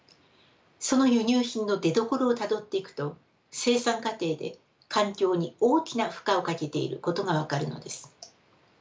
その輸入品の出どころをたどっていくと生産過程で環境に大きな負荷をかけていることが分かるのです。